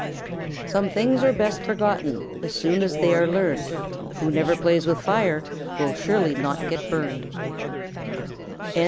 Some things are best forgotten As soon as they are learned. Who never plays with fire Will surely not get burned.